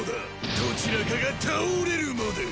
どちらかが倒れるまで！